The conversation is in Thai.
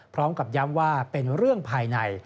พร้อมกับย้ำว่าเป็นเรื่องภายใน